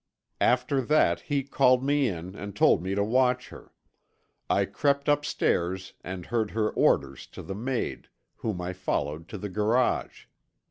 After that he called me in and told me to watch her. I crept upstairs and heard her orders to the maid, whom I followed to the garage.